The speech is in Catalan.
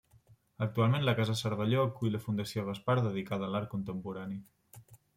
Actualment la casa Cervelló acull la Fundació Gaspar dedicada a l'art contemporani.